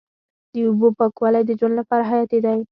د اوبو پاکوالی د ژوند لپاره حیاتي دی.